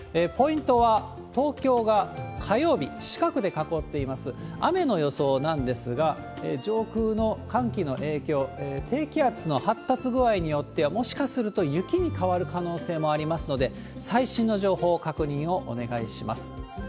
ポイントは東京が火曜日、四角で囲っています、雨の予想なんですが、上空の寒気の影響、低気圧の発達具合によっては、もしかすると雪に変わる可能性もありますので、最新の情報、確認をお願いします。